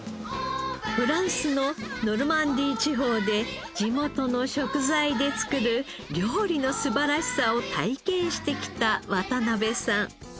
フランスのノルマンディー地方で地元の食材で作る料理の素晴らしさを体験してきた渡邊さん。